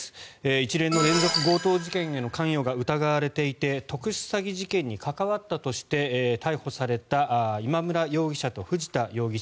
一連の連続強盗事件への関与が疑われていて特殊詐欺事件に関わったとして逮捕された今村容疑者と藤田容疑者